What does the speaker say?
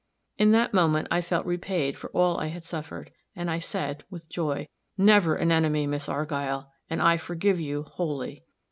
In that moment I felt repaid for all I had suffered, and I said with joy, "Never an enemy, Miss Argyll; and I forgive you, wholly."